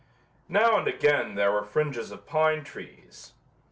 Now and again there were fringes of pine trees.